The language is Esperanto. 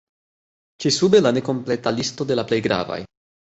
Ĉi sube la nekompleta listo de la plej gravaj.